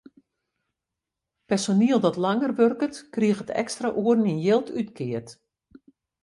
Personiel dat langer wurket, kriget de ekstra oeren yn jild útkeard.